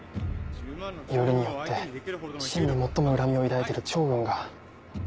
よりによって秦に最も恨みを抱いている趙軍が。